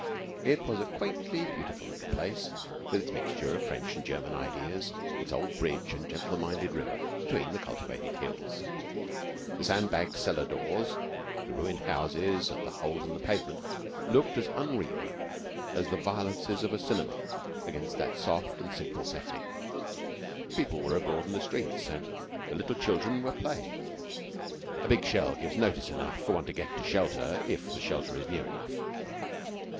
It was a quaintly beautiful little place, with its mixture of French and German ideas; its old bridge and gentle minded river, between the cultivated hills. The sand bagged cellar doors, the ruined houses, and the holes in the pavement looked as unreal as the violences of a cinema against that soft and simple setting. The people were abroad in the streets, and the little children were playing. A big shell gives notice enough for one to get to shelter, if the shelter is near enough.